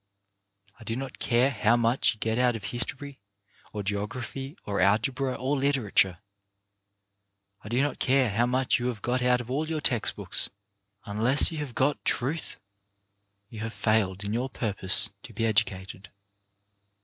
I do not care how much you get out of history, or geography, or algebra, or literature, I do not care how much you have got out of all your text books :— unless you have got truth, you have failed in your purpose to be educated.